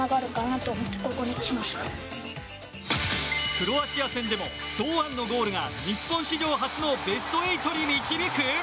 クロアチア戦でも堂安のゴールが日本史上初のベスト８に導く？